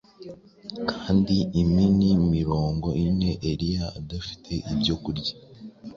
Kandi imini mirongo ine Eliya adafite ibyo kurya